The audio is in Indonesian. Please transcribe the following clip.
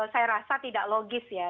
saya rasa tidak logis ya